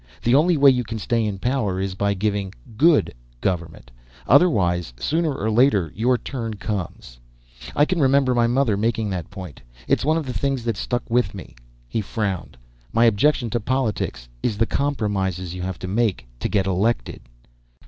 The only way you can stay in power is by giving good government. Otherwise sooner on later your turn comes. I can remember my mother making that point. It's one of the things that stuck with me." He frowned. "My objection to politics is the compromises you have to make to get elected!"